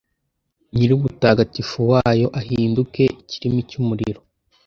Nyirubutagatifu wayo ahinduke ikirimi cy’umuriro,